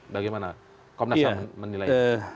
bagaimana komnas ham menilai